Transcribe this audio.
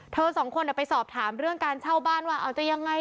สองคนไปสอบถามเรื่องการเช่าบ้านว่าเอาจะยังไง